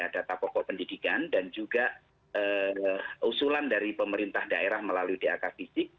data pokok pendidikan dan juga usulan dari pemerintah daerah melalui dak fisik